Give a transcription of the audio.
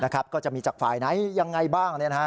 ก็จะมีจากฝ่ายไหนยังไงบ้าง